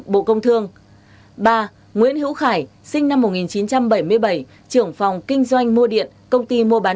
bộ công thương ba nguyễn hữu khải sinh năm một nghìn chín trăm bảy mươi bảy trưởng phòng kinh doanh mua điện công ty mua bán